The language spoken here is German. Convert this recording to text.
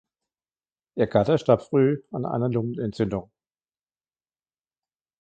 Ihr Gatte starb früh an einer Lungenentzündung.